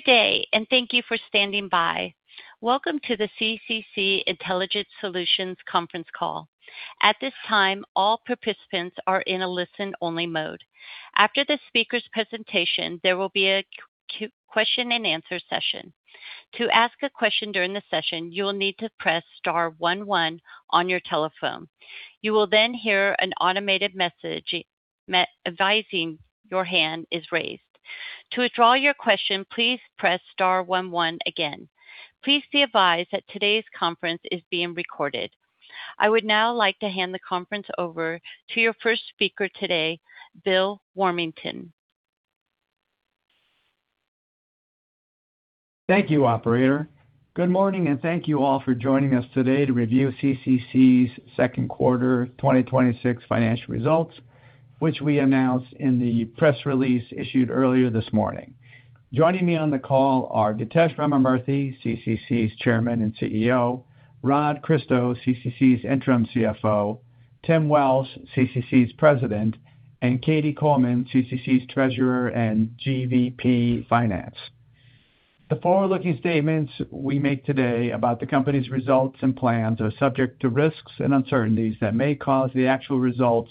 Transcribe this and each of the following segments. Good day, thank you for standing by. Welcome to the CCC Intelligent Solutions conference call. At this time, all participants are in a listen-only mode. After the speaker's presentation, there will be a question-and-answer session. To ask a question during the session, you will need to press star one one on your telephone. You will hear an automated message advising your hand is raised. To withdraw your question, please press star one one again. Please be advised that today's conference is being recorded. I would now like to hand the conference over to your first speaker today, Bill Warmington. Thank you, operator. Good morning, thank you all for joining us today to review CCC's second quarter 2026 financial results, which we announced in the press release issued earlier this morning. Joining me on the call are Githesh Ramamurthy, CCC's Chairman and Chief Executive Officer, Rodney Christo, CCC's Interim Chief Financial Officer, Tim Welsh, CCC's President, and Katie Coleman, CCC's Treasurer and Global Vice President Finance. The forward-looking statements we make today about the company's results and plans are subject to risks and uncertainties that may cause the actual results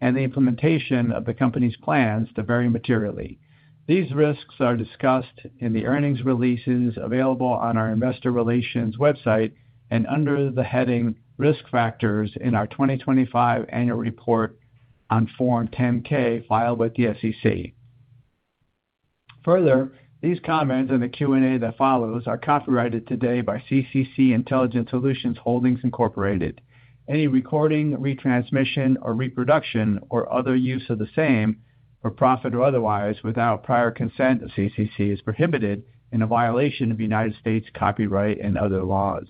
and the implementation of the company's plans to vary materially. These risks are discussed in the earnings releases available on our investor relations website and under the heading Risk Factors in our 2025 annual report on Form 10-K filed with the SEC. These comments and the Q&A that follows are copyrighted today by CCC Intelligent Solutions Holdings Inc.. Any recording, retransmission, or reproduction or other use of the same, for profit or otherwise, without prior consent of CCC is prohibited and a violation of U.S. copyright and other laws.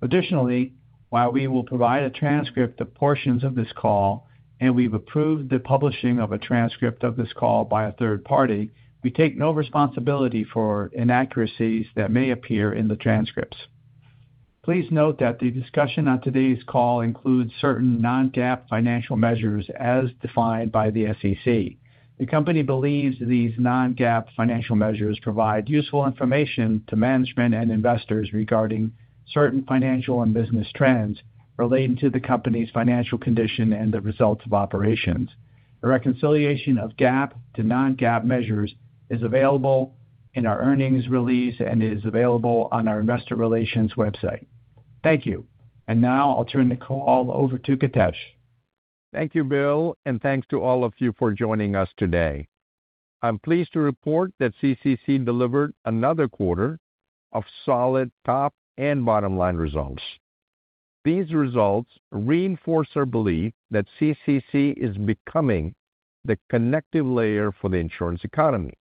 While we will provide a transcript of portions of this call and we've approved the publishing of a transcript of this call by a third party, we take no responsibility for inaccuracies that may appear in the transcripts. Please note that the discussion on today's call includes certain Non-GAAP financial measures as defined by the SEC. The company believes these Non-GAAP financial measures provide useful information to management and investors regarding certain financial and business trends relating to the company's financial condition and the results of operations. A reconciliation of GAAP to Non-GAAP measures is available in our earnings release and is available on our investor relations website. Thank you. Now I'll turn the call over to Githesh. Thank you, Bill, and thanks to all of you for joining us today. I'm pleased to report that CCC delivered another quarter of solid top and bottom-line results. These results reinforce our belief that CCC is becoming the connective layer for the insurance economy,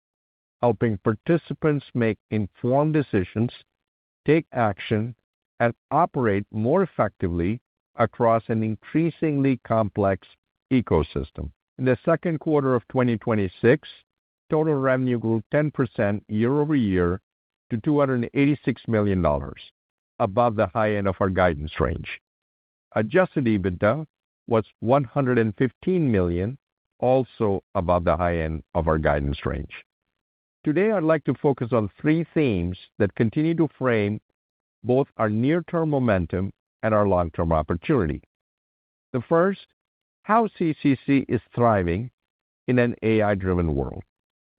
helping participants make informed decisions, take action, and operate more effectively across an increasingly complex ecosystem. In the second quarter of 2026, total revenue grew 10% year-over-year to $286 million, above the high end of our guidance range. Adjusted EBITDA was $115 million, also above the high end of our guidance range. Today, I'd like to focus on three themes that continue to frame both our near-term momentum and our long-term opportunity. The first, how CCC is thriving in an AI-driven world.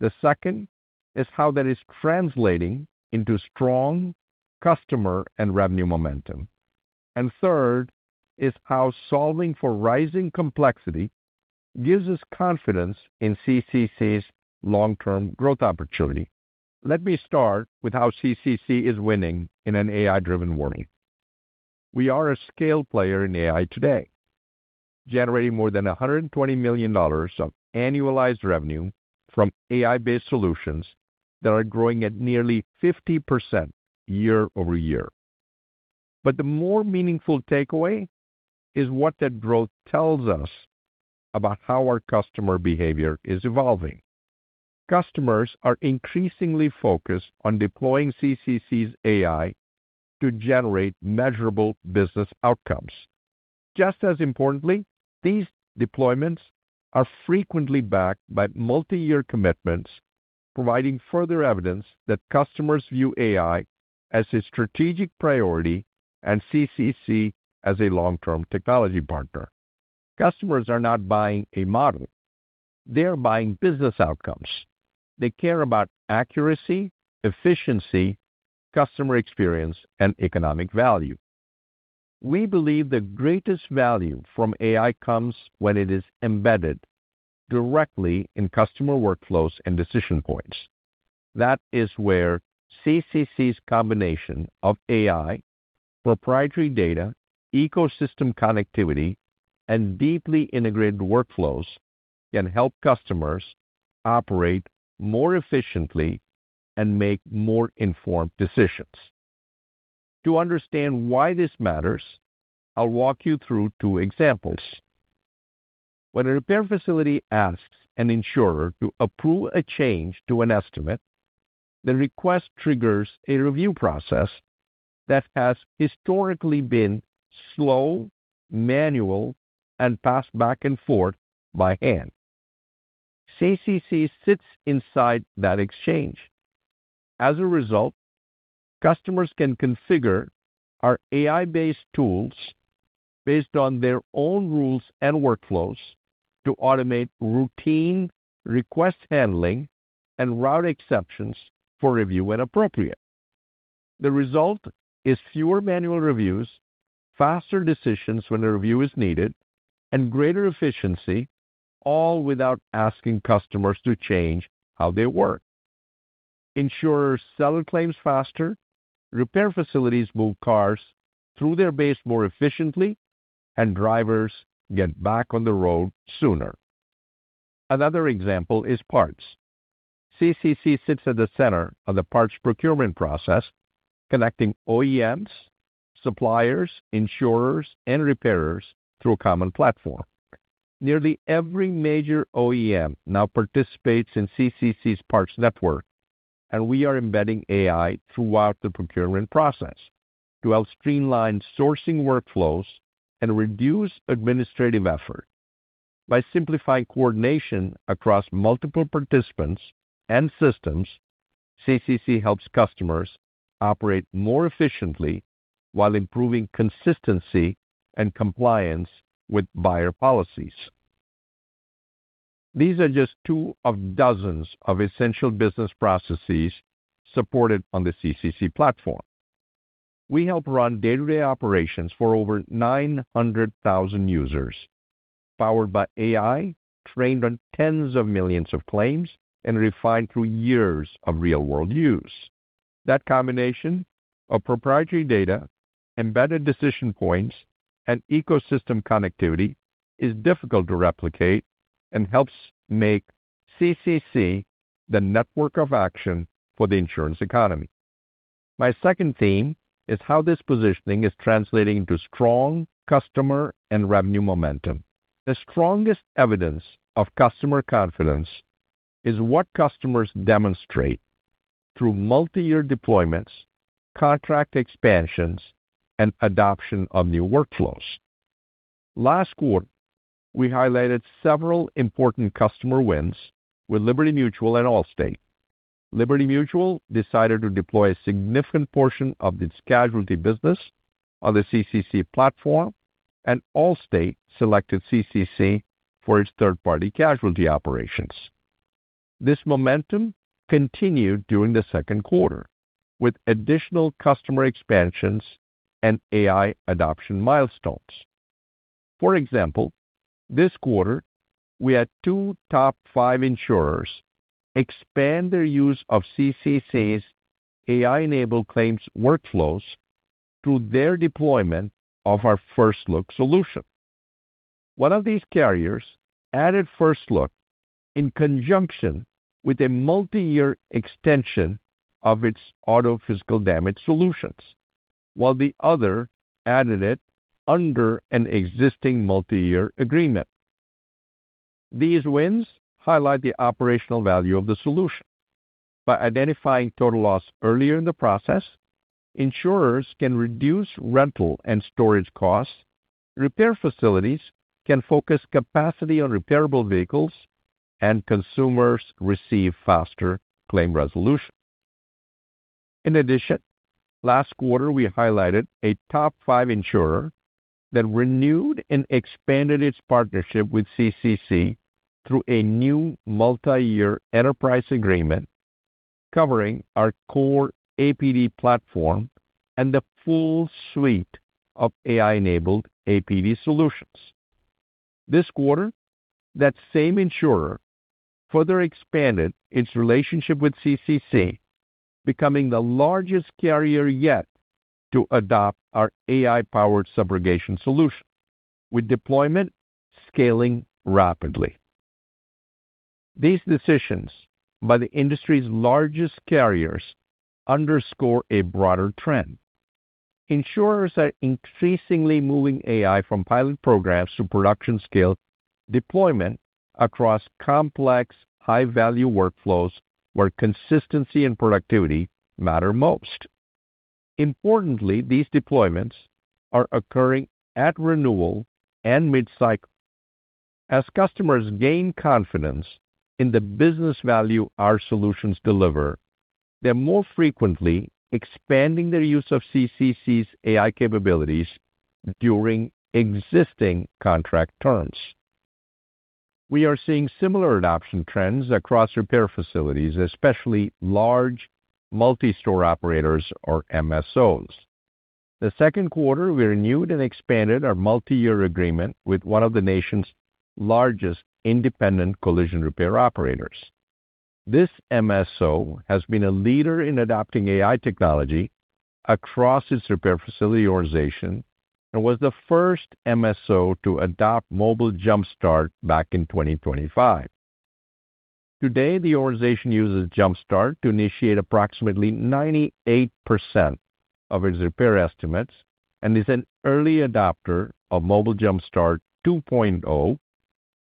The second is how that is translating into strong customer and revenue momentum. Third is how solving for rising complexity gives us confidence in CCC's long-term growth opportunity. Let me start with how CCC is winning in an AI-driven world. We are a scale player in AI today, generating more than $120 million of annualized revenue from AI-based solutions that are growing at nearly 50% year-over-year. The more meaningful takeaway is what that growth tells us about how our customer behavior is evolving. Customers are increasingly focused on deploying CCC's AI to generate measurable business outcomes. Just as importantly, these deployments are frequently backed by multiyear commitments, providing further evidence that customers view AI as a strategic priority and CCC as a long-term technology partner. Customers are not buying a model. They are buying business outcomes. They care about accuracy, efficiency, customer experience, and economic value. We believe the greatest value from AI comes when it is embedded directly in customer workflows and decision points. That is where CCC's combination of AI, proprietary data, ecosystem connectivity, and deeply integrated workflows can help customers operate more efficiently and make more informed decisions. To understand why this matters, I'll walk you through two examples. When a repair facility asks an insurer to approve a change to an estimate, the request triggers a review process that has historically been slow, manual, and passed back and forth by hand. CCC sits inside that exchange. As a result, customers can configure our AI-based tools based on their own rules and workflows to automate routine request handling and route exceptions for review when appropriate. The result is fewer manual reviews, faster decisions when a review is needed, and greater efficiency, all without asking customers to change how they work. Insurers settle claims faster, repair facilities move cars through their base more efficiently, and drivers get back on the road sooner. Another example is parts. CCC sits at the center of the parts procurement process, connecting OEMs, suppliers, insurers, and repairers through a common platform. Nearly every major OEM now participates in CCC's parts network, and we are embedding AI throughout the procurement process to help streamline sourcing workflows and reduce administrative effort. By simplifying coordination across multiple participants and systems, CCC helps customers operate more efficiently while improving consistency and compliance with buyer policies. These are just two of dozens of essential business processes supported on the CCC platform. We help run day-to-day operations for over 900,000 users, powered by AI, trained on tens of millions of claims, and refined through years of real-world use. That combination of proprietary data, embedded decision points, and ecosystem connectivity is difficult to replicate and helps make CCC the network of action for the insurance economy. My second theme is how this positioning is translating into strong customer and revenue momentum. The strongest evidence of customer confidence is what customers demonstrate through multi-year deployments, contract expansions, and adoption of new workflows. Last quarter, we highlighted several important customer wins with Liberty Mutual and Allstate. Liberty Mutual decided to deploy a significant portion of its casualty business on the CCC platform, and Allstate selected CCC for its third-party casualty operations. This momentum continued during the second quarter, with additional customer expansions and AI adoption milestones. For example, this quarter, we had two top five insurers expand their use of CCC's AI-enabled claims workflows through their deployment of our FirstLook solution. One of these carriers added FirstLook in conjunction with a multi-year extension of its auto physical damage solutions, while the other added it under an existing multi-year agreement. These wins highlight the operational value of the solution. By identifying total loss earlier in the process, insurers can reduce rental and storage costs, repair facilities can focus capacity on repairable vehicles, and consumers receive faster claim resolution. Last quarter, we highlighted a top five insurer that renewed and expanded its partnership with CCC through a new multi-year enterprise agreement covering our core APD platform and the full suite of AI-enabled APD solutions. This quarter, that same insurer further expanded its relationship with CCC, becoming the largest carrier yet to adopt our AI-powered subrogation solution, with deployment scaling rapidly. These decisions by the industry's largest carriers underscore a broader trend. Insurers are increasingly moving AI from pilot programs to production-scale deployment across complex, high-value workflows where consistency and productivity matter most. These deployments are occurring at renewal and mid-cycle. As customers gain confidence in the business value our solutions deliver, they're more frequently expanding their use of CCC's AI capabilities during existing contract terms. We are seeing similar adoption trends across repair facilities, especially large multi-store operators or MSOs. Second quarter, we renewed and expanded our multi-year agreement with one of the nation's largest independent collision repair operators. This MSO has been a leader in adopting AI technology across its repair facility organization and was the first MSO to adopt Mobile Jumpstart back in 2025. Today, the organization uses Jumpstart to initiate approximately 98% of its repair estimates and is an early adopter of Mobile Jumpstart 2.0,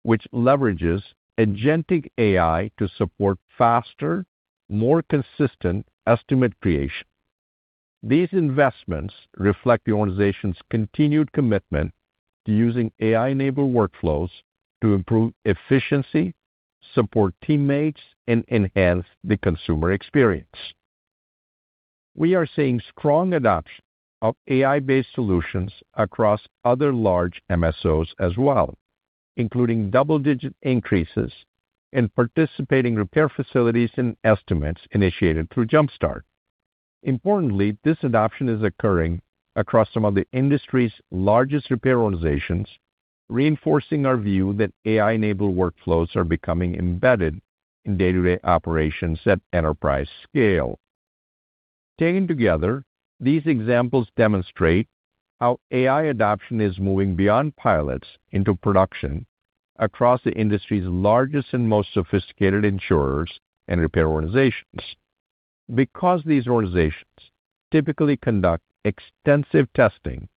which leverages agentic AI to support faster, more consistent estimate creation. These investments reflect the organization's continued commitment to using AI-enabled workflows to improve efficiency, support teammates, and enhance the consumer experience. We are seeing strong adoption of AI-based solutions across other large MSOs as well, including double-digit increases in participating repair facilities and estimates initiated through Jumpstart. This adoption is occurring across some of the industry's largest repair organizations, reinforcing our view that AI-enabled workflows are becoming embedded in day-to-day operations at enterprise scale. These examples demonstrate how AI adoption is moving beyond pilots into production across the industry's largest and most sophisticated insurers and repair organizations. These organizations typically conduct extensive testing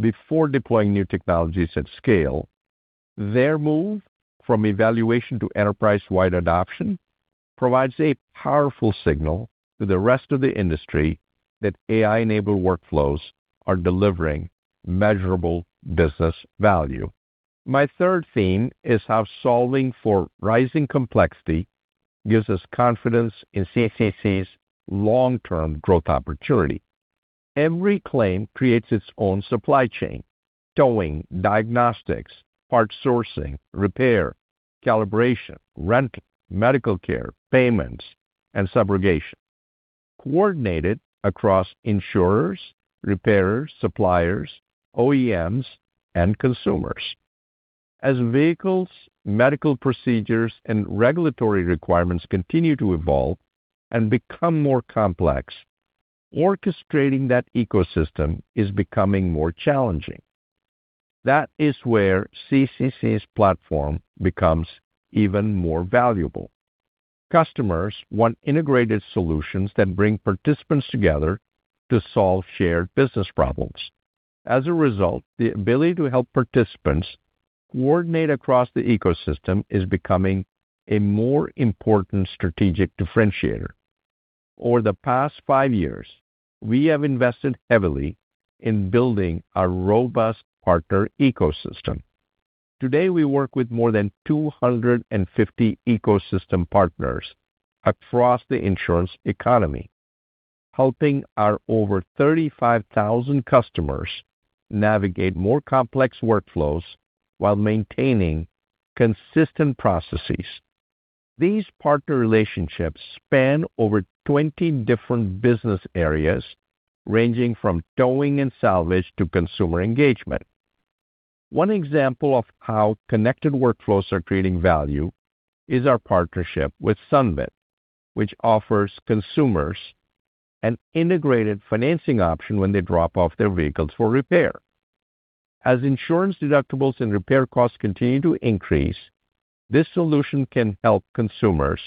before deploying new technologies at scale, their move from evaluation to enterprise-wide adoption provides a powerful signal to the rest of the industry that AI-enabled workflows are delivering measurable business value. My third theme is how solving for rising complexity gives us confidence in CCC's long-term growth opportunity. Every claim creates its own supply chain: towing, diagnostics, part sourcing, repair, calibration, renting, medical care, payments, and subrogation, coordinated across insurers, repairers, suppliers, OEMs, and consumers. As vehicles, medical procedures, and regulatory requirements continue to evolve and become more complex, orchestrating that ecosystem is becoming more challenging. That is where CCC's platform becomes even more valuable. Customers want integrated solutions that bring participants together to solve shared business problems. As a result, the ability to help participants coordinate across the ecosystem is becoming a more important strategic differentiator. Over the past five years, we have invested heavily in building a robust partner ecosystem. Today, we work with more than 250 ecosystem partners across the insurance economy, helping our over 35,000 customers navigate more complex workflows while maintaining consistent processes. These partner relationships span over 20 different business areas, ranging from towing and salvage to consumer engagement. One example of how connected workflows are creating value is our partnership with Sunbit, which offers consumers an integrated financing option when they drop off their vehicles for repair. As insurance deductibles and repair costs continue to increase, this solution can help consumers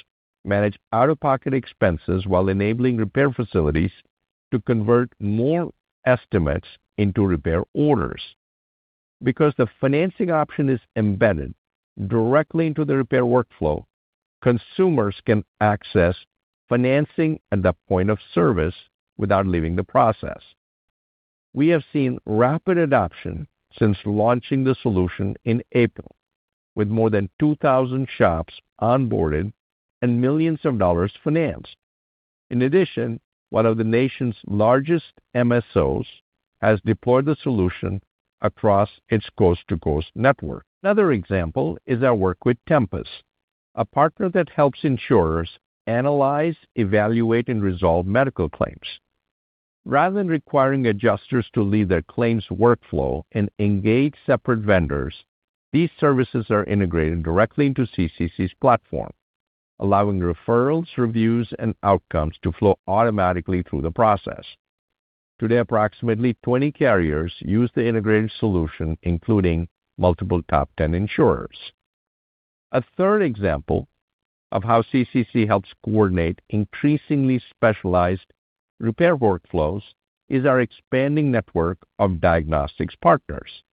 manage out-of-pocket expenses while enabling repair facilities to convert more estimates into repair orders. Because the financing option is embedded directly into the repair workflow, consumers can access financing at the point of service without leaving the process. We have seen rapid adoption since launching the solution in April, with more than 2,000 shops onboarded and millions of dollars financed. In addition, one of the nation's largest MSOs has deployed the solution across its coast-to-coast network. Another example is our work with Tempus, a partner that helps insurers analyze, evaluate, and resolve medical claims. Rather than requiring adjusters to leave their claims workflow and engage separate vendors, these services are integrated directly into CCC's platform, allowing referrals, reviews, and outcomes to flow automatically through the process. Today, approximately 20 carriers use the integrated solution, including multiple top 10 insurers. A third example of how CCC helps coordinate increasingly specialized repair workflows is our expanding network of diagnostics partners.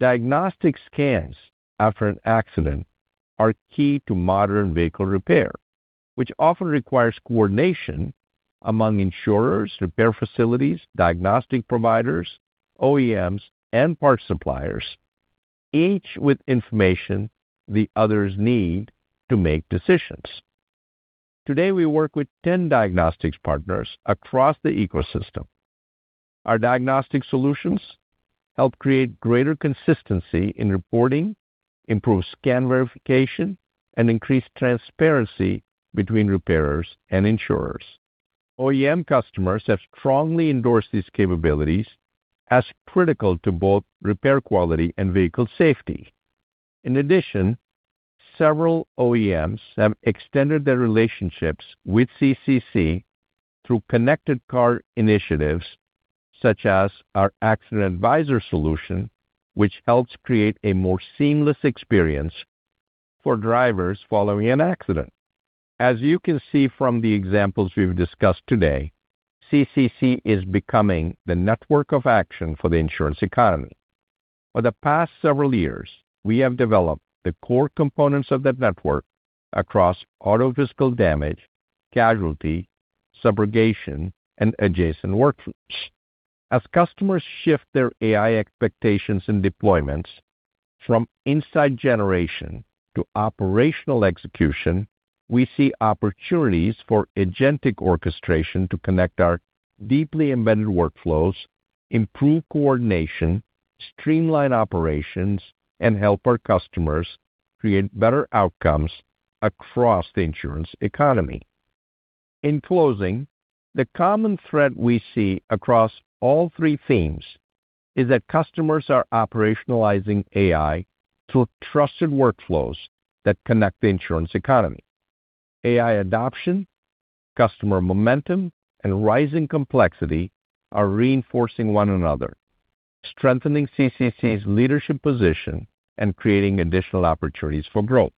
Diagnostic scans after an accident are key to modern vehicle repair, which often requires coordination among insurers, repair facilities, diagnostic providers, OEMs, and parts suppliers, each with information the others need to make decisions. Today, we work with 10 diagnostics partners across the ecosystem. Our diagnostic solutions help create greater consistency in reporting, improve scan verification, and increase transparency between repairers and insurers. OEM customers have strongly endorsed these capabilities as critical to both repair quality and vehicle safety. In addition, several OEMs have extended their relationships with CCC through connected car initiatives, such as our Accident Advisor solution, which helps create a more seamless experience for drivers following an accident. As you can see from the examples we've discussed today, CCC is becoming the network of action for the insurance economy. For the past several years, we have developed the core components of that network across auto physical damage, casualty, subrogation, and adjacent workflows. As customers shift their AI expectations and deployments from insight generation to operational execution, we see opportunities for agentic orchestration to connect our deeply embedded workflows, improve coordination, streamline operations, and help our customers create better outcomes across the insurance economy. In closing, the common thread we see across all three themes is that customers are operationalizing AI through trusted workflows that connect the insurance economy. AI adoption, customer momentum, and rising complexity are reinforcing one another, strengthening CCC's leadership position and creating additional opportunities for growth.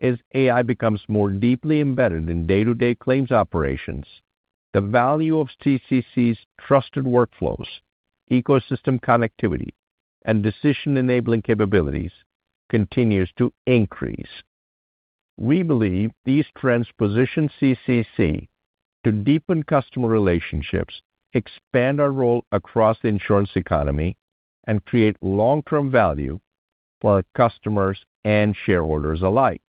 As AI becomes more deeply embedded in day-to-day claims operations, the value of CCC's trusted workflows, ecosystem connectivity, and decision-enabling capabilities continues to increase. We believe these trends position CCC to deepen customer relationships, expand our role across the insurance economy, and create long-term value for our customers and shareholders alike.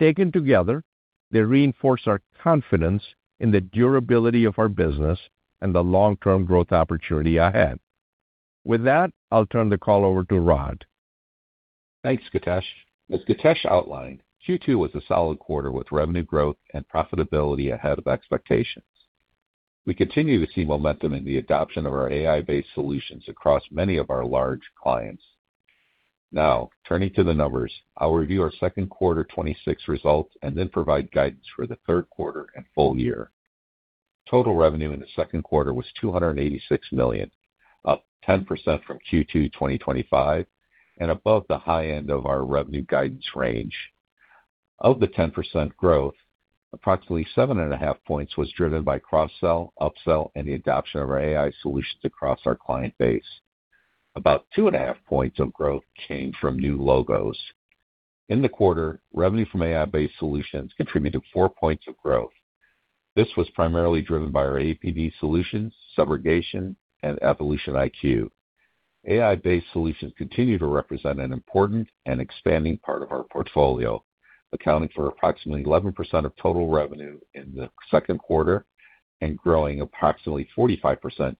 Taken together, they reinforce our confidence in the durability of our business and the long-term growth opportunity ahead. With that, I'll turn the call over to Rodney. Thanks, Githesh. As Githesh outlined, Q2 was a solid quarter with revenue growth and profitability ahead of expectations. We continue to see momentum in the adoption of our AI-based solutions across many of our large clients. Turning to the numbers. I'll review our second quarter 2026 results and then provide guidance for the third quarter and full year. Total revenue in the second quarter was $286 million, up 10% from Q2 2025, and above the high end of our revenue guidance range. Of the 10% growth, approximately 7.5 points was driven by cross-sell, up-sell, and the adoption of our AI solutions across our client base. About 2.5 Points of growth came from new logos. In the quarter, revenue from AI-based solutions contributed four points of growth. This was primarily driven by our APD solutions, subrogation, and EvolutionIQ. AI-based solutions continue to represent an important and expanding part of our portfolio, accounting for approximately 11% of total revenue in the second quarter and growing approximately 45%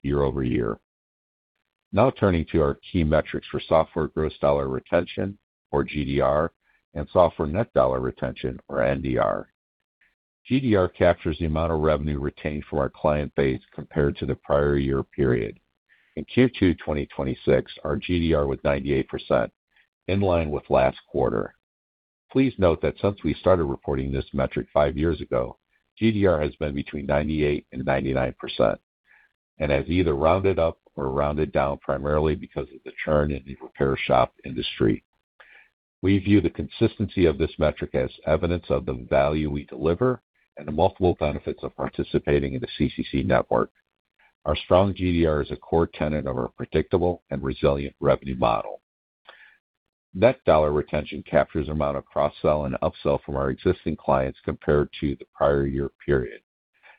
year-over-year. Turning to our key metrics for software gross dollar retention, or GDR, and software net dollar retention, or NDR. GDR captures the amount of revenue retained from our client base compared to the prior year period. In Q2 2026, our GDR was 98%, in line with last quarter. Please note that since we started reporting this metric five years ago, GDR has been between 98%-99%, and has either rounded up or rounded down primarily because of the churn in the repair shop industry. We view the consistency of this metric as evidence of the value we deliver and the multiple benefits of participating in the CCC network. Our strong GDR is a core tenet of our predictable and resilient revenue model. Net dollar retention captures the amount of cross-sell and up-sell from our existing clients compared to the prior year period,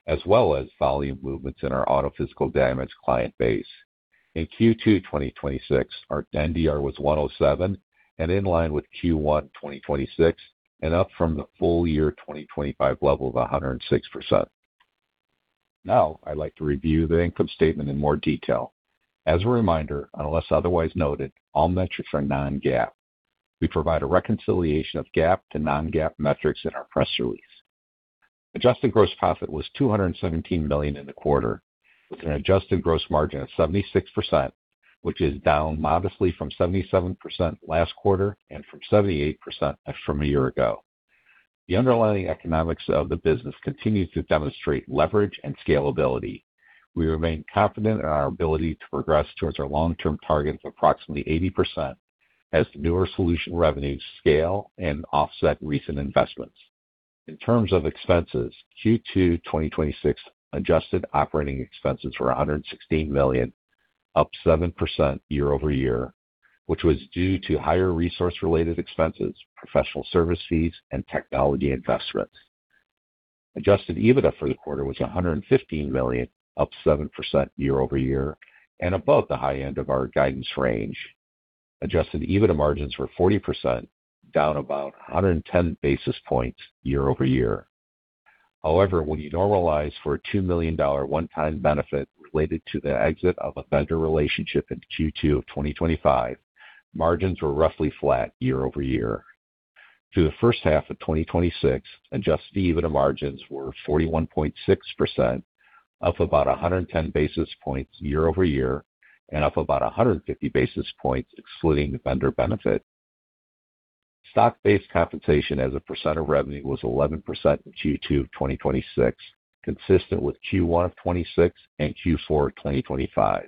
as well as volume movements in our auto physical damage client base. In Q2 2026, our NDR was 107% and in line with Q1 2026 and up from the full year 2025 level of 106%. I'd like to review the income statement in more detail. As a reminder, unless otherwise noted, all metrics are Non-GAAP. We provide a reconciliation of GAAP to Non-GAAP metrics in our press release. Adjusted gross profit was $217 million in the quarter, with an adjusted gross margin of 76%, which is down modestly from 77% last quarter and from 78% from a year ago. The underlying economics of the business continues to demonstrate leverage and scalability. We remain confident in our ability to progress towards our long-term target of approximately 80% as the newer solution revenues scale and offset recent investments. In terms of expenses, Q2 2026 adjusted operating expenses were $116 million, up 7% year-over-year, which was due to higher resource-related expenses, professional service fees, and technology investments. Adjusted EBITDA for the quarter was $115 million, up 7% year-over-year and above the high end of our guidance range. Adjusted EBITDA margins were 40%, down about 110 basis points year-over-year. When you normalize for a $2 million one-time benefit related to the exit of a vendor relationship in Q2 of 2025, margins were roughly flat year-over-year. Through the first half of 2026, adjusted EBITDA margins were 41.6%, up about 110 basis points year-over-year and up about 150 basis points excluding the vendor benefit. Stock-based compensation as a percent of revenue was 11% in Q2 of 2026, consistent with Q1 of 2026 and Q4 of 2025.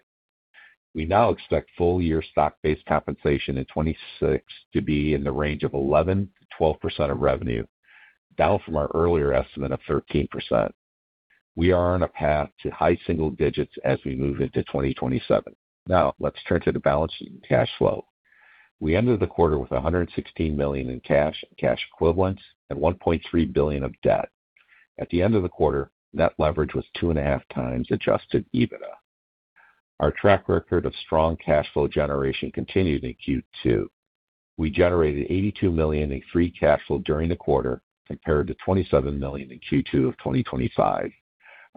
We now expect full year stock-based compensation in 2026 to be in the range of 11%-12% of revenue, down from our earlier estimate of 13%. We are on a path to high single digits as we move into 2027. Let's turn to the balance sheet and cash flow. We ended the quarter with $116 million in cash and cash equivalents and $1.3 billion of debt. At the end of the quarter, net leverage was 2.5x adjusted EBITDA. Our track record of strong cash flow generation continued in Q2. We generated $82 million in free cash flow during the quarter, compared to $27 million in Q2 of 2025.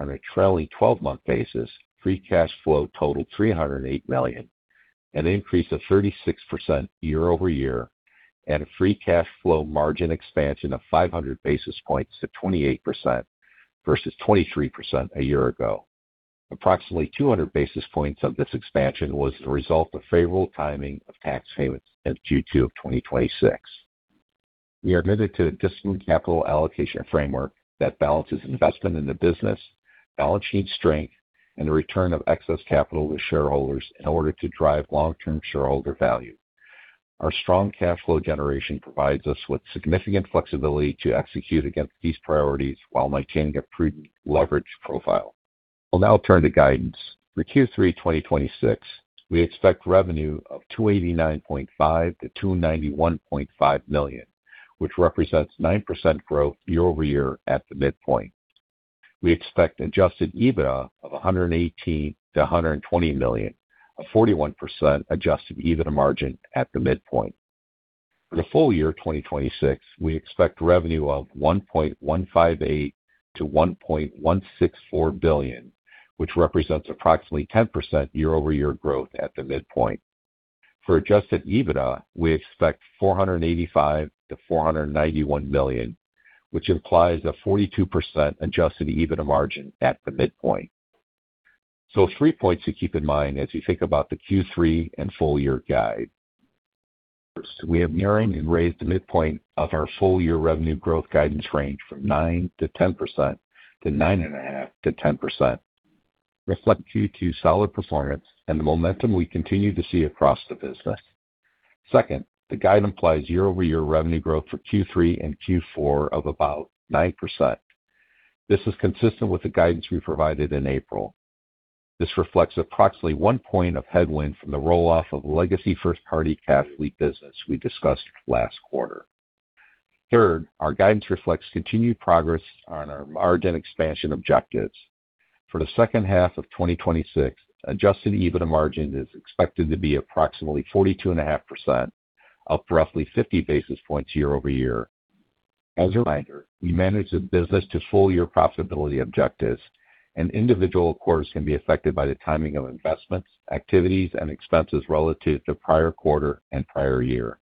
On a trailing 12-month basis, free cash flow totaled $308 million, an increase of 36% year-over-year, and a free cash flow margin expansion of 500 basis points to 28%, versus 23% a year ago. Approximately 200 basis points of this expansion was the result of favorable timing of tax payments in Q2 of 2026. We are committed to a disciplined capital allocation framework that balances investment in the business, balance sheet strength, and the return of excess capital to shareholders in order to drive long-term shareholder value. Our strong cash flow generation provides us with significant flexibility to execute against these priorities while maintaining a prudent leverage profile. We'll now turn to guidance. For Q3 2026, we expect revenue of $289.5 million-$291.5 million, which represents 9% growth year-over-year at the midpoint. We expect adjusted EBITDA of $118 million-$120 million, a 41% adjusted EBITDA margin at the midpoint. For the full year 2026, we expect revenue of $1.158 billion-$1.164 billion, which represents approximately 10% year-over-year growth at the midpoint. For adjusted EBITDA, we expect $485 million-$491 million, which implies a 42% adjusted EBITDA margin at the midpoint. Three points to keep in mind as we think about the Q3 and full year guide. First, we have narrowed and raised the midpoint of our full year revenue growth guidance range from 9%-10%, to 9.5%-10%, reflect Q2 solid performance and the momentum we continue to see across the business. Second, the guide implies year-over-year revenue growth for Q3 and Q4 of about 9%. This is consistent with the guidance we provided in April. This reflects approximately one point of headwind from the roll-off of legacy first party business we discussed last quarter. Third, our guidance reflects continued progress on our margin expansion objectives. For the second half of 2026, adjusted EBITDA margin is expected to be approximately 42.5%, up roughly 50 basis points year-over-year. As a reminder, we manage the business to full year profitability objectives, and individual quarters can be affected by the timing of investments, activities, and expenses relative to prior quarter and prior year.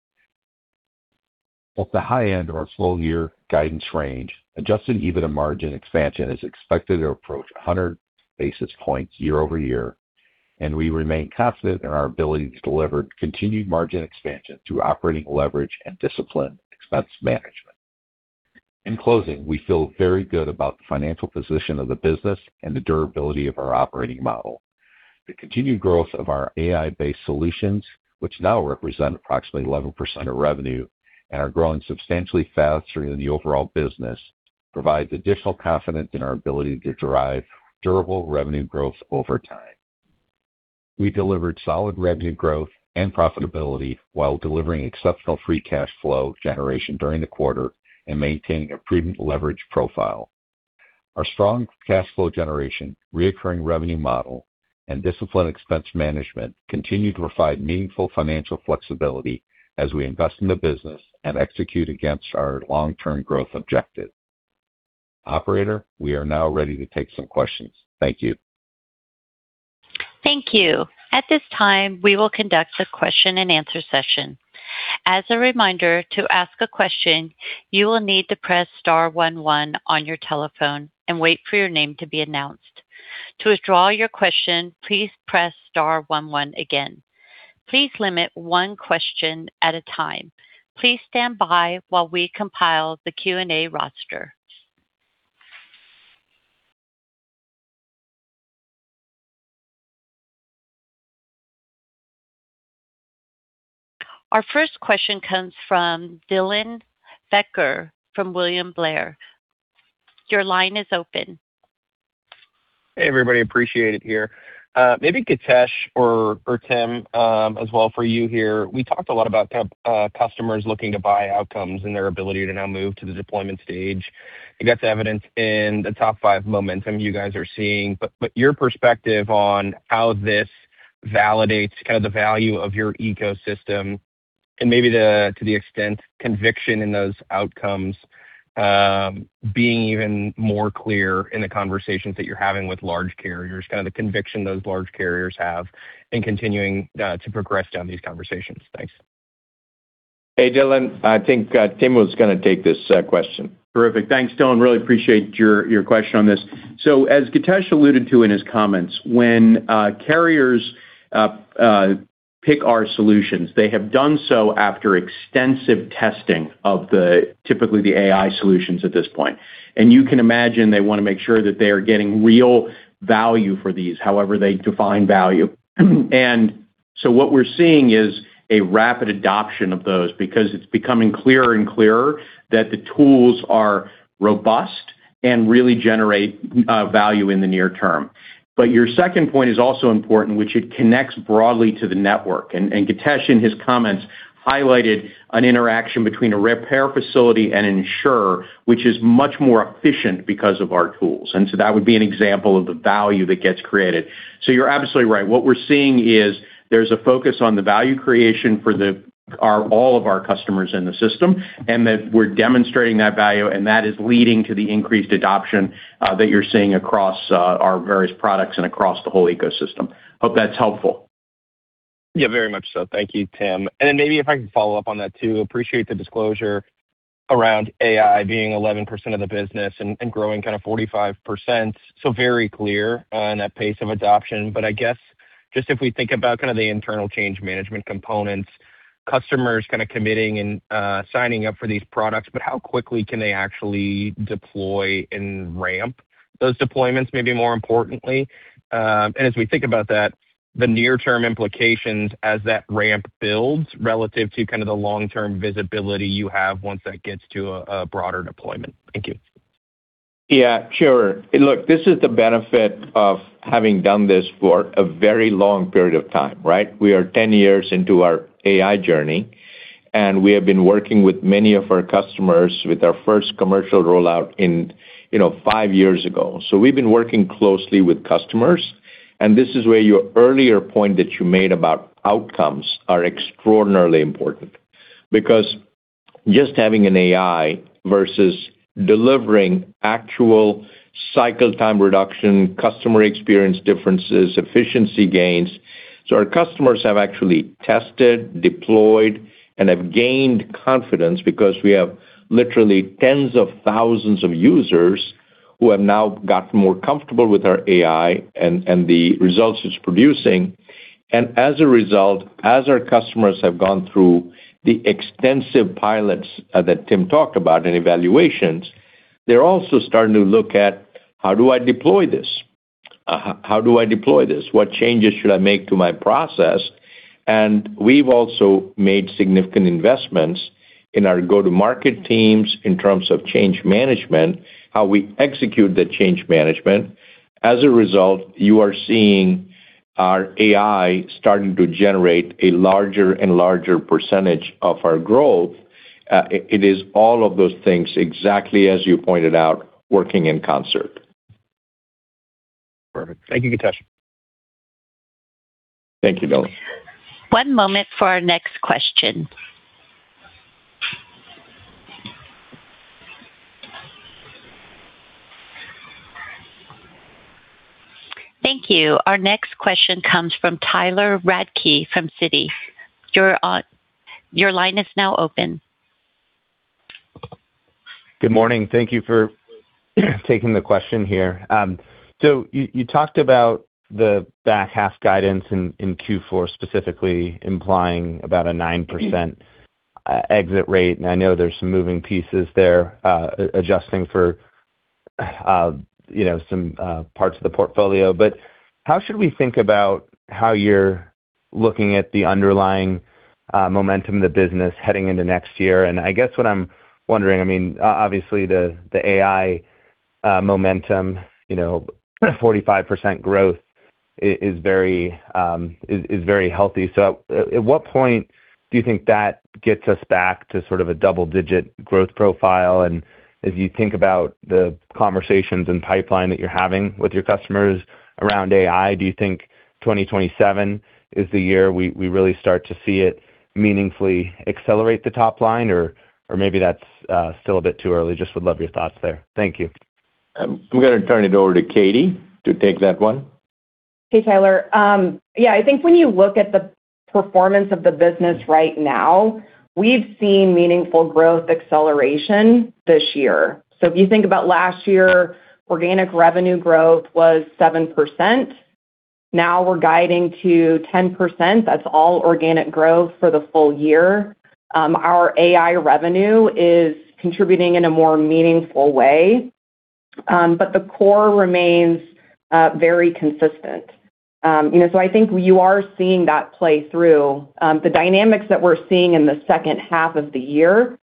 At the high end of our full year guidance range, adjusted EBITDA margin expansion is expected to approach 100 basis points year-over-year, and we remain confident in our ability to deliver continued margin expansion through operating leverage and disciplined expense management. In closing, we feel very good about the financial position of the business and the durability of our operating model. The continued growth of our AI-based solutions, which now represent approximately 11% of revenue and are growing substantially faster than the overall business, provides additional confidence in our ability to drive durable revenue growth over time. We delivered solid revenue growth and profitability while delivering exceptional free cash flow generation during the quarter and maintaining a prudent leverage profile. Our strong cash flow generation, reoccurring revenue model, and disciplined expense management continue to provide meaningful financial flexibility as we invest in the business and execute against our long-term growth objectives. Operator, we are now ready to take some questions. Thank you. Thank you. At this time, we will conduct a question-and-answer session. As a reminder, to ask a question, you will need to press star one one on your telephone and wait for your name to be announced. To withdraw your question, please press star one one again. Please limit one question at a time. Please stand by while we compile the question-and-answer roster. Our first question comes from Dylan Becker from William Blair. Your line is open. Hey, everybody, appreciate it here. Maybe Githesh or Tim as well for you here. We talked a lot about customers looking to buy outcomes and their ability to now move to the deployment stage. I think that's evidenced in the top five momentum you guys are seeing. Your perspective on how this validates the value of your ecosystem and maybe to the extent conviction in those outcomes, being even more clear in the conversations that you're having with large carriers, the conviction those large carriers have in continuing to progress down these conversations. Thanks. Hey, Dylan. I think Tim was going to take this question. Terrific. Thanks, Dylan. Really appreciate your question on this. As Githesh alluded to in his comments, when carriers pick our solutions, they have done so after extensive testing of typically the AI solutions at this point. You can imagine they want to make sure that they are getting real value for these, however they define value. What we're seeing is a rapid adoption of those, because it's becoming clearer and clearer that the tools are robust and really generate value in the near term. Your second point is also important, which it connects broadly to the network. Githesh, in his comments, highlighted an interaction between a repair facility and insurer, which is much more efficient because of our tools. That would be an example of the value that gets created. You're absolutely right. What we're seeing is there's a focus on the value creation for all of our customers in the system, and that we're demonstrating that value, and that is leading to the increased adoption that you're seeing across our various products and across the whole ecosystem. Hope that's helpful. Yeah, very much so. Thank you, Tim. Then maybe if I could follow up on that too. Appreciate the disclosure around AI being 11% of the business and growing 45%. Very clear on that pace of adoption. I guess, just if we think about the internal change management components, customers committing and signing up for these products, but how quickly can they actually deploy and ramp those deployments, maybe more importantly? As we think about that, the near-term implications as that ramp builds relative to the long-term visibility you have once that gets to a broader deployment. Thank you. Yeah, sure. Look, this is the benefit of having done this for a very long period of time, right? We are 10 years into our AI journey, and we have been working with many of our customers with our first commercial rollout five years ago. We've been working closely with customers, and this is where your earlier point that you made about outcomes are extraordinarily important. Because just having an AI versus delivering actual cycle time reduction, customer experience differences, efficiency gains. Our customers have actually tested, deployed, and have gained confidence because we have literally tens of thousands of users who have now gotten more comfortable with our AI and the results it's producing. As a result, as our customers have gone through the extensive pilots that Tim talked about, and evaluations, they're also starting to look at, "How do I deploy this? What changes should I make to my process?" We've also made significant investments in our go-to-market teams in terms of change management, how we execute the change management. As a result, you are seeing our AI starting to generate a larger and larger percentage of our growth. It is all of those things, exactly as you pointed out, working in concert. Perfect. Thank you, Githesh. Thank you, Dylan. One moment for our next question. Thank you. Our next question comes from Tyler Radke from Citi. Your line is now open. Good morning. Thank you for taking the question here. You talked about the back half guidance in Q4, specifically implying about a 9% exit rate, I know there's some moving pieces there, adjusting for some parts of the portfolio. How should we think about how you're looking at the underlying momentum of the business heading into next year? I guess what I'm wondering, obviously, the AI momentum, 45% growth is very healthy. At what point do you think that gets us back to sort of a double-digit growth profile? As you think about the conversations and pipeline that you're having with your customers around AI, do you think 2027 is the year we really start to see it meaningfully accelerate the top line, or maybe that's still a bit too early? Just would love your thoughts there. Thank you. I'm going to turn it over to Katie to take that one. Hey, Tyler. I think when you look at the performance of the business right now, we've seen meaningful growth acceleration this year. If you think about last year, organic revenue growth was 7%. Now we're guiding to 10%. That's all organic growth for the full year. Our AI revenue is contributing in a more meaningful way. The core remains very consistent. I think you are seeing that play through. The dynamics that we're seeing in the second half of the year,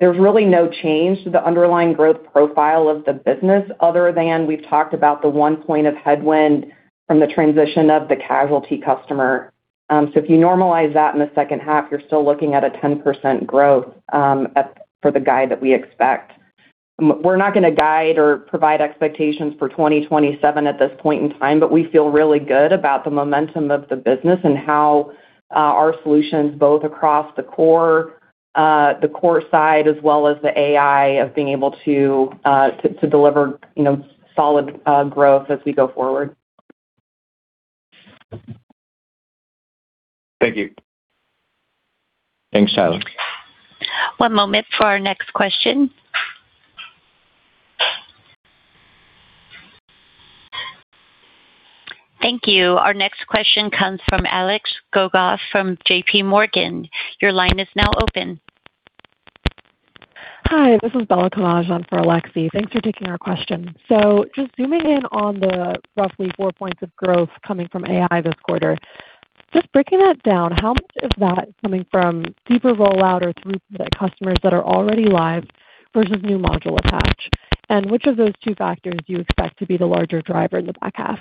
there's really no change to the underlying growth profile of the business other than we've talked about the one point of headwind from the transition of the casualty customer. If you normalize that in the second half, you're still looking at a 10% growth for the guide that we expect. We're not going to guide or provide expectations for 2027 at this point in time, but we feel really good about the momentum of the business and how our solutions, both across the core side as well as the AI, of being able to deliver solid growth as we go forward. Thank you. Thanks, Tyler. One moment for our next question. Thank you. Our next question comes from Alexei Gogolev from JPMorgan. Your line is now open. Hi, this is Bella Camaj for Alexei. Thanks for taking our question. Just zooming in on the roughly four points of growth coming from AI this quarter, just breaking that down, how much of that is coming from deeper rollout or through customers that are already live versus new module attach? Which of those two factors do you expect to be the larger driver in the back half?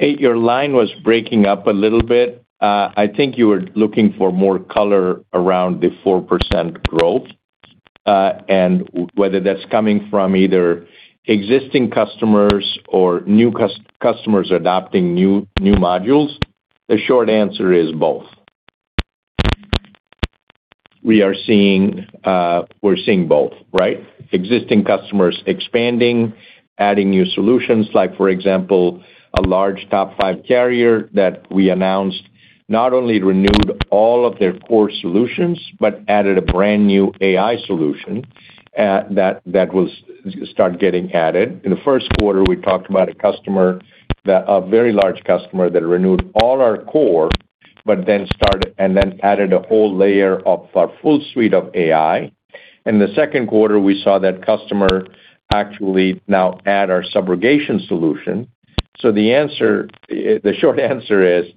Hey, your line was breaking up a little bit. I think you were looking for more color around the 4% growth, and whether that's coming from either existing customers or new customers adopting new modules. The short answer is both. We're seeing both, right? Existing customers expanding, adding new solutions like, for example, a large top five carrier that we announced not only renewed all of their core solutions but added a brand-new AI solution that will start getting added. In the first quarter, we talked about a very large customer that renewed all our core and then added a whole layer of our full suite of AI. In the second quarter, we saw that customer actually now add our subrogation solution. The short answer is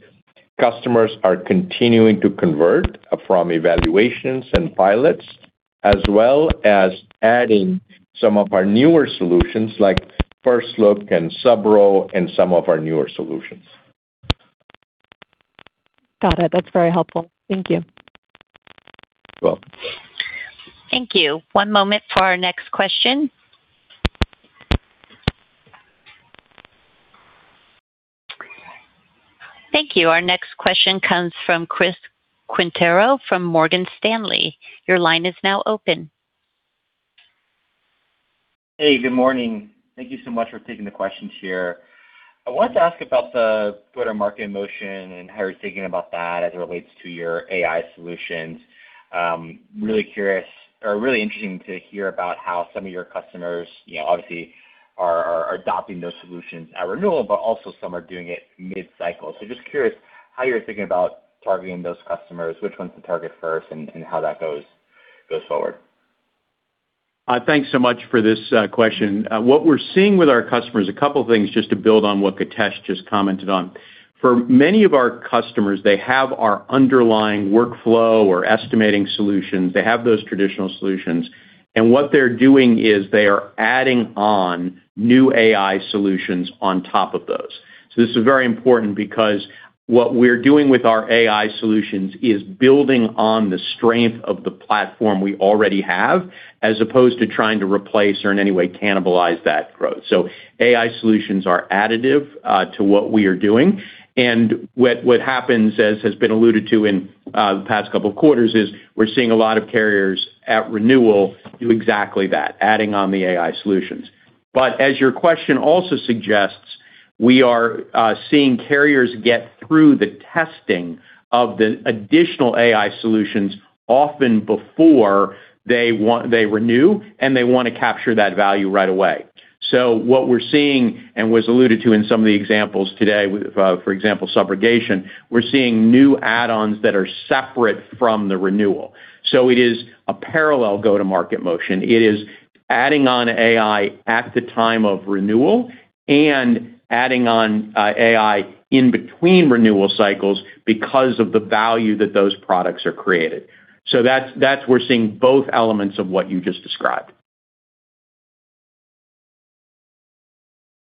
customers are continuing to convert from evaluations and pilots, as well as adding some of our newer solutions like FirstLook and SubRo and some of our newer solutions. Got it. That's very helpful. Thank you. You're welcome. Thank you. One moment for our next question. Thank you. Our next question comes from Chris Quintero from Morgan Stanley. Your line is now open. Hey, good morning. Thank you so much for taking the questions here. I wanted to ask about the go-to-market motion and how you're thinking about that as it relates to your AI solutions. Really interesting to hear about how some of your customers obviously are adopting those solutions at renewal, also some are doing it mid-cycle. Just curious how you're thinking about targeting those customers, which ones to target first, and how that goes forward. Thanks so much for this question. What we're seeing with our customers, a couple of things just to build on what Githesh just commented on. For many of our customers, they have our underlying workflow or estimating solutions. They have those traditional solutions, what they're doing is they are adding on new AI solutions on top of those. This is very important because what we're doing with our AI solutions is building on the strength of the platform we already have, as opposed to trying to replace or in any way cannibalize that growth. AI solutions are additive to what we are doing. What happens, as has been alluded to in the past couple of quarters, is we're seeing a lot of carriers at renewal do exactly that, adding on the AI solutions. As your question also suggests, we are seeing carriers get through the testing of the additional AI solutions often before they renew, and they want to capture that value right away. What we're seeing and was alluded to in some of the examples today, for example, subrogation, we're seeing new add-ons that are separate from the renewal. It is a parallel go-to-market motion. It is adding on AI at the time of renewal and adding on AI in between renewal cycles because of the value that those products are created. We're seeing both elements of what you just described.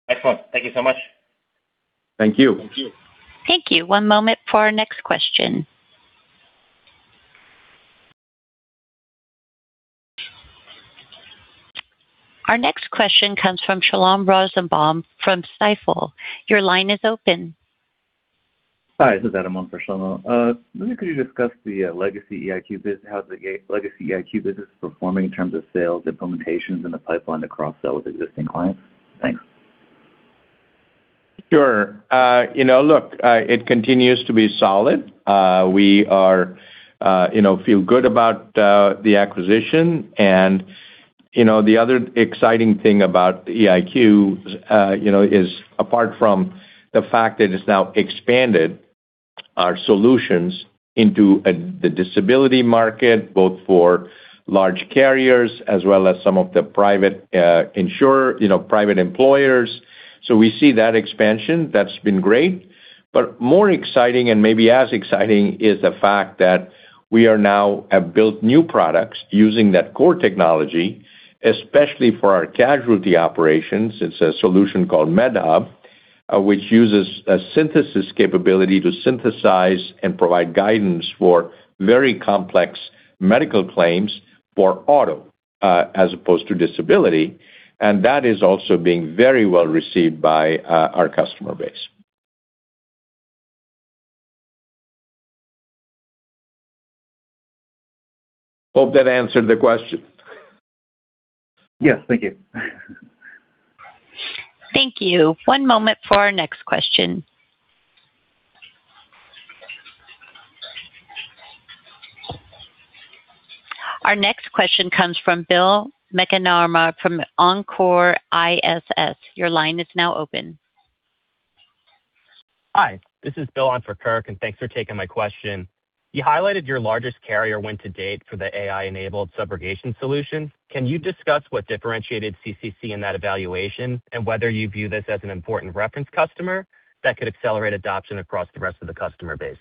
Excellent. Thank you so much. Thank you. Thank you. Thank you. One moment for our next question. Our next question comes from Shlomo Rosenbaum from Stifel. Your line is open. Hi, this is Adam on for Shlomo. Could you discuss how the legacy EIQ business is performing in terms of sales implementations in the pipeline to cross-sell with existing clients? Thanks. Sure. Look, it continues to be solid. We feel good about the acquisition, the other exciting thing about EIQ, is apart from the fact that it's now expanded our solutions into the disability market, both for large carriers as well as some of the private employers. We see that expansion. That's been great. More exciting, and maybe as exciting, is the fact that we now have built new products using that core technology, especially for our casualty operations. It's a solution called MedHub, which uses a synthesis capability to synthesize and provide guidance for very complex medical claims for auto, as opposed to disability. That is also being very well received by our customer base. Hope that answered the question. Yes. Thank you. Thank you. One moment for our next question. Our next question comes from Bill McNamee from Evercore ISI. Your line is now open. Hi, this is Bill on for Kirk, thanks for taking my question. You highlighted your largest carrier win to date for the AI-enabled subrogation solution. Can you discuss what differentiated CCC in that evaluation and whether you view this as an important reference customer that could accelerate adoption across the rest of the customer base?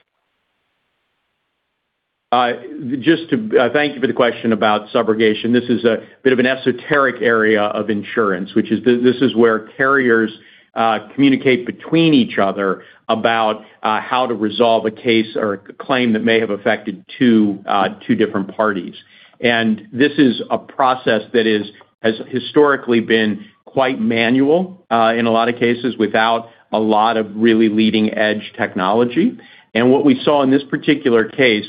Thank you for the question about subrogation. This is a bit of an esoteric area of insurance. This is where carriers communicate between each other about how to resolve a case or a claim that may have affected two different parties. This is a process that has historically been quite manual in a lot of cases without a lot of really leading-edge technology. What we saw in this particular case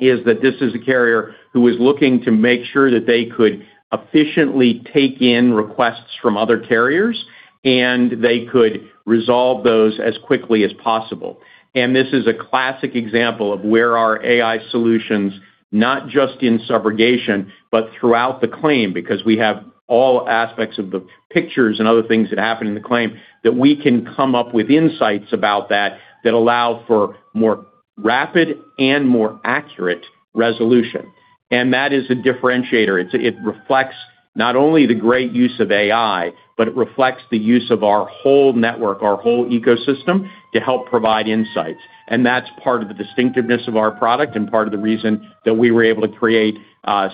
is that this is a carrier who is looking to make sure that they could efficiently take in requests from other carriers, and they could resolve those as quickly as possible. This is a classic example of where our AI solutions, not just in subrogation, but throughout the claim, because we have all aspects of the pictures and other things that happen in the claim that we can come up with insights about that that allow for more rapid and more accurate resolution. That is a differentiator. It reflects not only the great use of AI, but it reflects the use of our whole network, our whole ecosystem to help provide insights. That's part of the distinctiveness of our product and part of the reason that we were able to create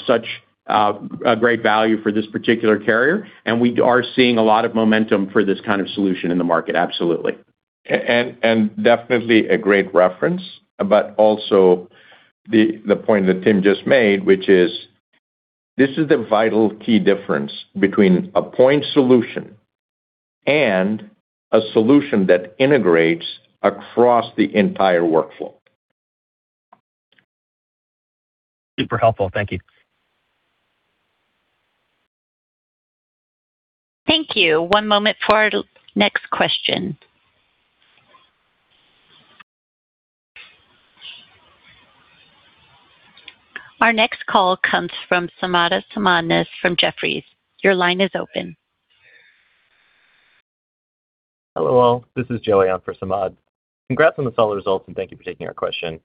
such a great value for this particular carrier. We are seeing a lot of momentum for this kind of solution in the market. Absolutely. Definitely a great reference, but also the point that Tim just made, which is this is the vital key difference between a point solution and a solution that integrates across the entire workflow. Super helpful. Thank you. Thank you. One moment for our next question. Our next call comes from Samad Samana from Jefferies. Your line is open. Hello all. This is Joseph on for Samad. Congrats on the solid results, thank you for taking our question.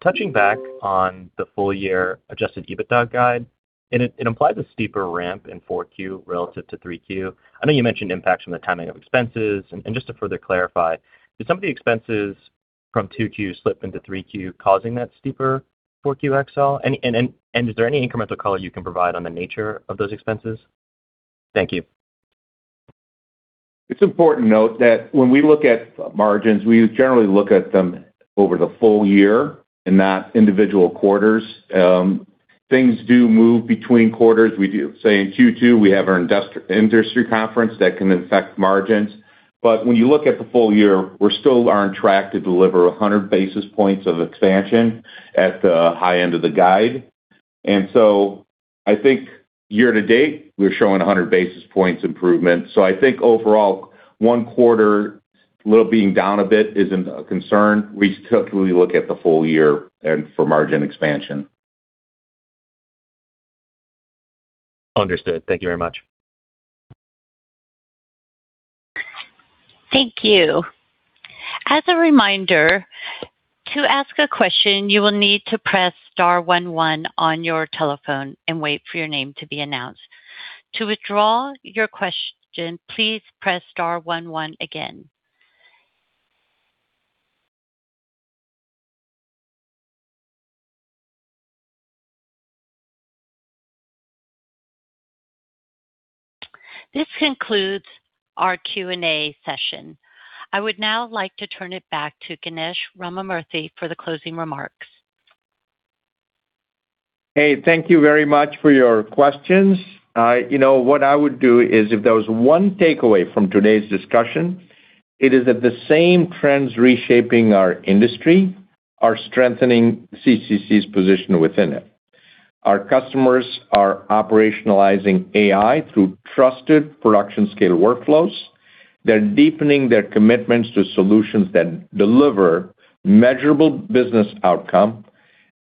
Touching back on the full year adjusted EBITDA guide, it implies a steeper ramp in Q4 relative to Q3. I know you mentioned impacts from the timing of expenses. Just to further clarify, did some of the expenses from Q2 slip into Q3 causing that steeper Q4 accelerate? Is there any incremental color you can provide on the nature of those expenses? Thank you. It's important to note that when we look at margins, we generally look at them over the full year and not individual quarters. Things do move between quarters. Say in Q2, we have our industry conference that can affect margins. When you look at the full year, we still are on track to deliver 100 basis points of expansion at the high end of the guide. I think year to date, we're showing 100 basis points improvement. I think overall, one quarter being down a bit isn't a concern. We typically look at the full year and for margin expansion. Understood. Thank you very much. Thank you. As a reminder, to ask a question, you will need to press star one one on your telephone and wait for your name to be announced. To withdraw your question, please press star one one again. This concludes our question-and-answer session. I would now like to turn it back to Githesh Ramamurthy for the closing remarks. Thank you very much for your questions. What I would do is if there was one takeaway from today's discussion, it is that the same trends reshaping our industry are strengthening CCC's position within it. Our customers are operationalizing AI through trusted production scale workflows. They're deepening their commitments to solutions that deliver measurable business outcome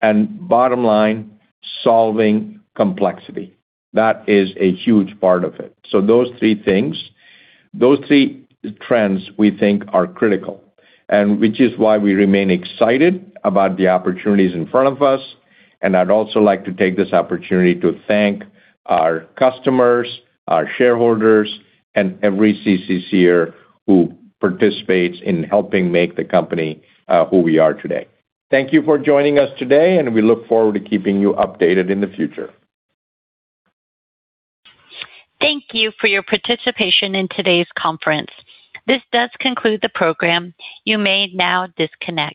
and bottom line, solving complexity. That is a huge part of it. Those three things, those three trends we think are critical, which is why we remain excited about the opportunities in front of us. I'd also like to take this opportunity to thank our customers, our shareholders, and every CCC-er who participates in helping make the company who we are today. Thank you for joining us today, and we look forward to keeping you updated in the future. Thank you for your participation in today's conference. This does conclude the program. You may now disconnect.